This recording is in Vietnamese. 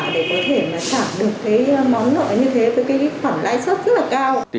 để có thể trả được món nợ như thế